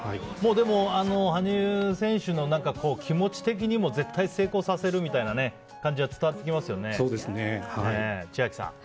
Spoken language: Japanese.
もう、羽生選手の気持ち的にも絶対、成功させるみたいな感じも伝わってきますよね。